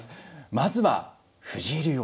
まずは藤井竜王。